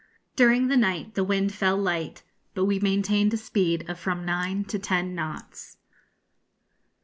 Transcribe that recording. During the night the wind fell light, but we maintained a speed of from nine to ten knots.